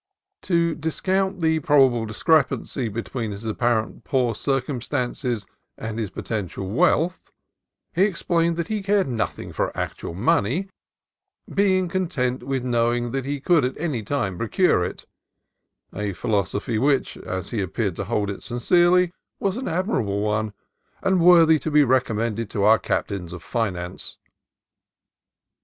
To discount the pal pable discrepancy between his apparently poor cir cumstances and his potential wealth, he explained that he cared nothing for actual money, being con tent with knowing that he could at any time procure it: a philosophy which, as he appeared to hold it sincerely, was an admirable one, and worthy to be recommended to our captains of finance.